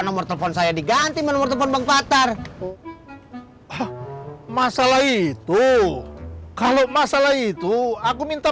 nomor telepon saya diganti nomor telepon bang patar masalah itu kalau masalah itu aku minta